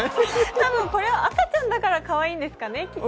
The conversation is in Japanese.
たぶんこれは赤ちゃんだからかわいいんですかね。